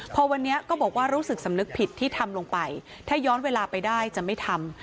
พอวันนี้ก็บอกว่ารู้สึกสำนึกผิดที่ทำลงไปถ้าย้อนเวลาไปได้จะไม่ทำ